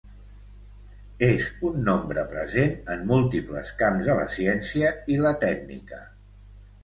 És un nombre present en múltiples camps de la ciència i la tècnica.